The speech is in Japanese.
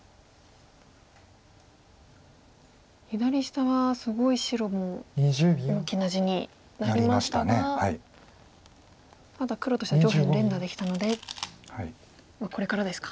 左下はすごい白も大きな地になりましたがただ黒としては上辺連打できたのでこれからですか。